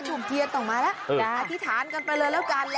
ช่วงเทียบต่งและอธิษฐานกันไปเลยแล้วกัน